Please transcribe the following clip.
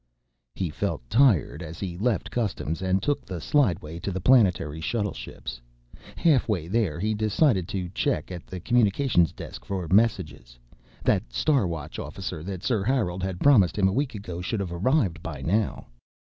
He felt tired as he left customs and took the slideway to the planetary shuttle ships. Halfway there, he decided to check at the communications desk for messages. That Star Watch officer that Sir Harold had promised him a week ago should have arrived by now.